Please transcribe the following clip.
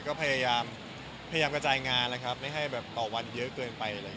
ก็พยายามกระจายงานนะครับไม่ให้แบบต่อวันเยอะเกินไป